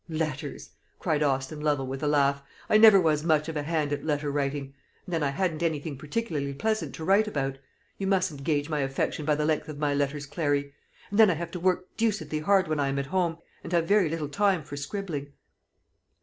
"Letters!" cried Austin Lovel, with a laugh; "I never was much of a hand at letter writing; and then I hadn't anything particularly pleasant to write about. You mustn't gauge my affection by the length of my letters, Clary. And then I have to work deucedly hard when I am at home, and have very little time for scribbling."